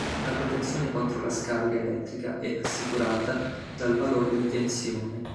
La protezione contro la scarica elettrica è assicurata dal valore di tensione.